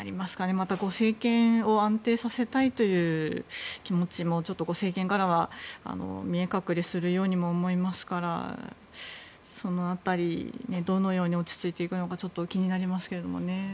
また政権を安定させたいという気持ちも政権からは見え隠れするようにも思いますからその辺りどのように落ち着いていくのかちょっと気になりますけどもね。